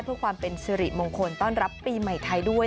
เพื่อความเป็นสิริมงคลต้อนรับปีใหม่ไทยด้วย